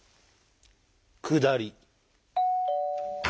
「下り」。